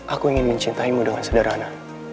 aku ingin mencintaimu dengan sederhana